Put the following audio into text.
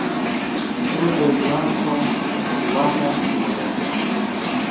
دا د جوانګ قوم کورواکه سیمه ده.